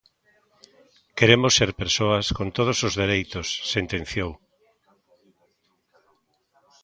Queremos ser persoas con todos os dereitos, sentenciou.